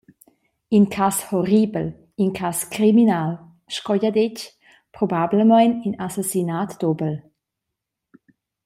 In cass horribel, in cass criminal, sco gia detg, probablamein in assassinat dubel.»